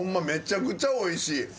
めちゃくちゃおいしい。